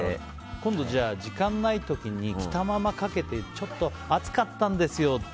今度時間ない時に着たままかけてちょっと熱かったんですよって